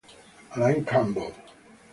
Alan Campbell